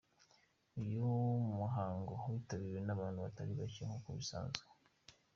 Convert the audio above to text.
Uyu muhango witabiriwe n’abantu batari bake nk’uko bisanzwe.